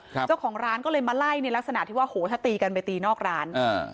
เจ้าของร้านก็เลยมาไล่ในลักษณะที่ว่าโหถ้าตีกันไปตีนอกร้านอ่า